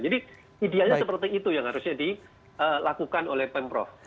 jadi idealnya seperti itu yang harusnya dilakukan oleh pemprov